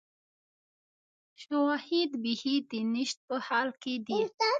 شواهد بیخي د نشت په حال کې دي